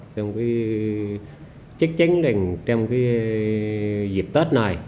trong cái chất chánh trình trong cái dịp tết này